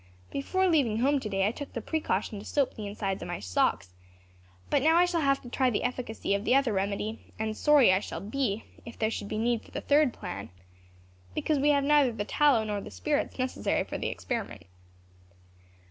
Before leaving home, today, I took the precaution to soap the inside of my socks; but now I shall have to try the efficacy of the other remedy; and sorry shall I be if there should be need for the third plan, because we have neither the tallow nor the spirits necessary for the experiment."